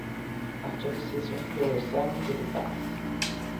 After the season, he re-signed with the Bucs.